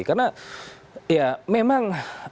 karena ya memang